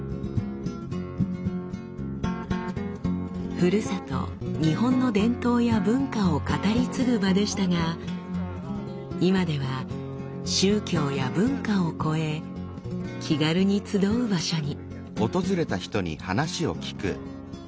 ふるさと日本の伝統や文化を語り継ぐ場でしたが今では宗教や文化を超え気軽に集う場所に。